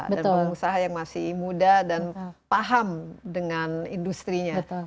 dan pengusaha yang masih muda dan paham dengan industri nya